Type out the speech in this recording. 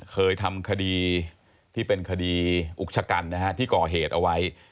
เคยทำคดีที่เป็นคดีอุกชะกันนะฮะที่ก่อเหตุเอาไว้